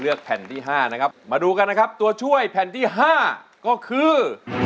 แผ่นที่๕นะครับมาดูกันนะครับตัวช่วยแผ่นที่๕ก็คือ